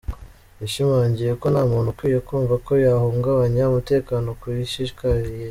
Yashimangiye ko nta muntu ukwiye kumva ko yahungabanya umutekano uko yishakiye.